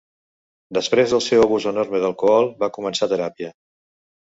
Després del seu abús enorme d'alcohol va començar teràpia.